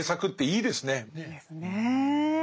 いいですねえ。